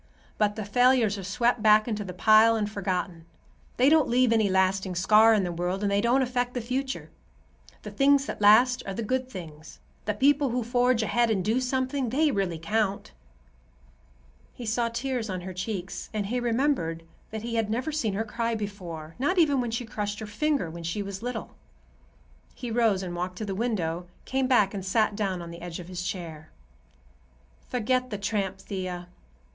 But the failures are swept back into the pile and forgotten. They don't leave any lasting scar in the world, and they don't affect the future. The things that last are the good things. The people who forge ahead and do something, they really count." He saw tears on her cheeks, and he remembered that he had never seen her cry before, not even when she crushed her finger when she was little. He rose and walked to the window, came back and sat down on the edge of his chair. "Forget the tramp, Thea.